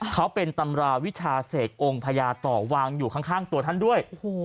เขาเป็นตำราวิชาเสกองค์พญาต่อวางอยู่ข้างตัวท่านด้วย